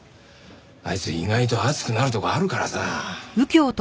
あいつ意外と熱くなるところあるからさ。